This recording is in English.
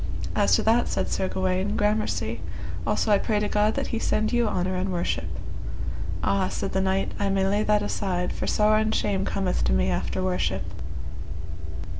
As to that, said Sir Gawaine, gramercy; also I pray to God that he send you honour and worship. Ah, said the knight, I may lay that aside, for sorrow and shame cometh to me after worship.